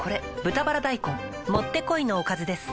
「豚バラ大根」もってこいのおかずです